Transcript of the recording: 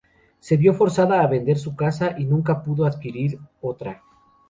Se vio forzada a vender su casa, y nunca pudo adquirir otra.